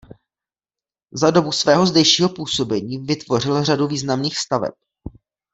Za dobu svého zdejšího působení vytvořil řadu významných staveb.